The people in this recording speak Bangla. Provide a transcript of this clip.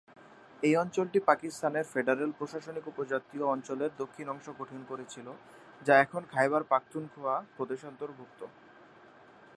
এই অঞ্চলটি পাকিস্তানের ফেডারেল প্রশাসনিক উপজাতীয় অঞ্চলের দক্ষিণ অংশ গঠন করেছিল, যা এখন খাইবার পাখতুনখোয়া প্রদেশের অন্তর্ভুক্ত।